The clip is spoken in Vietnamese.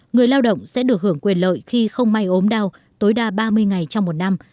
người lao động sẽ được hưởng quyền lợi khi không may ốm đau tối đa ba mươi ngày trong một năm